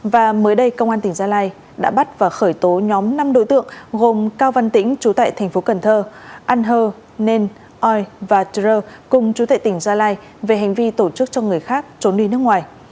và mới đây công an tỉnh gia lai đã bắt và khởi tố nhóm năm đối tượng gồm cao văn tĩnh chủ tệ tp cn an hơ nên oi và trơ cùng chủ tệ tỉnh gia lai về hành vi tổ chức cho người khác trốn đi nước ngoài